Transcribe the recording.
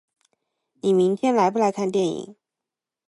你明天来不来看电影？